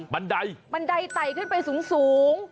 บันไดบันไดไตขึ้นไปสูง